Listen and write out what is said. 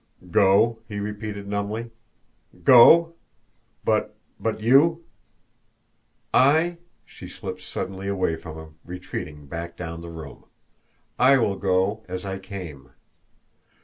"Go?" he repeated numbly. "Go? But but you?" "I?" She slipped suddenly away from him, retreating back down the room. "I will go as I came."